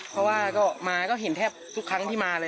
เค้าต้องเห็นแทบทุกครั้งที่มา